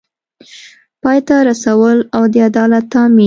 پای ته رسول او د عدالت تامین